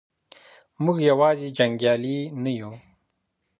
موږ یوازې جنګیالي نه یو.